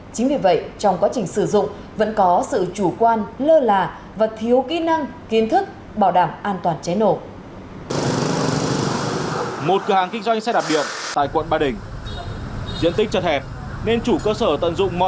chính vì vậy trong quá trình sử dụng vẫn có sự chủ quan lơ là và thiếu kỹ năng kiến thức bảo đảm an toàn cháy nổ